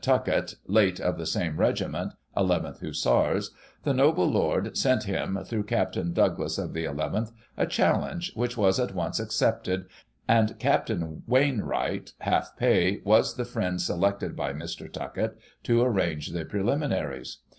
Tuckett, late of the same regiment (nth Hussars), the noble lord sent him, through Captain Douglas, of the nth, a challenge, which was at once accepted, and Capt. Wainwright (half pay) was the friend selected by Mr. Tuckett to arrange the pre liminaries.